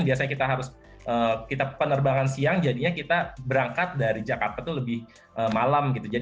biasanya kita harus kita penerbangan siang jadinya kita berangkat dari jakarta tuh lebih malam gitu